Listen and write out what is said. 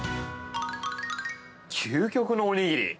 究極のおにぎり。